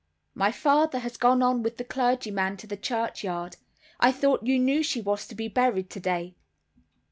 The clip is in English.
"My father has gone on with the clergyman to the churchyard. I thought you knew she was to be buried today."